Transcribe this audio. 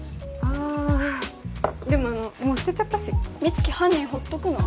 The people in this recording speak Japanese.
あでももう捨てちゃったし美月犯人ほっとくの？